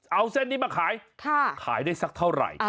เอาเส้นนี้มาขายขายได้สักเท่าไหร่